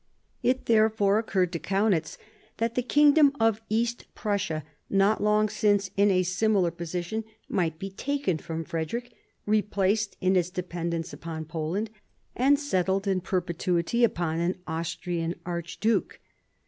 It therefore occurred to Kaunitz that the kingdom of East Prussia, not long since in a similar position, might be taken from Frederick, replaced in its dependence upon Poland, and settled in perpetuity upon an Austrian archduke.